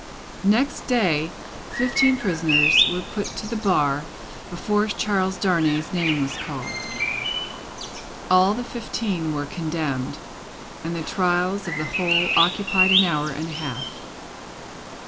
Next day, fifteen prisoners were put to the bar before Charles Darnay's name was called. All the fifteen were condemned, and the trials of the whole occupied an hour and a half.